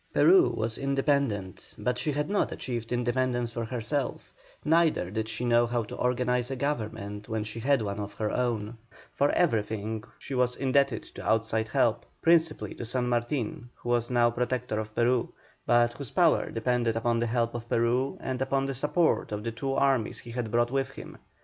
Peru was independent, but she had not achieved independence for herself; neither did she know how to organize a Government when she had one of her own; for everything she was indebted to outside help principally to San Martin, who was now Protector of Peru, but whose power depended upon the help of Peru, and upon the support of the two armies he had brought with him.